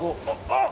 あっ！